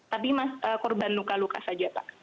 tapi korban luka luka saja pak